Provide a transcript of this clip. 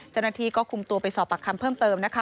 เจ้าหน้าที่ก็คุมตัวไปสอบปากคำเพิ่มเติมนะคะ